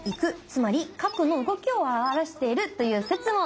つまり角の動きを表しているという説も。